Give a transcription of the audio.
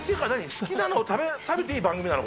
好きなのを食べていい番組なの？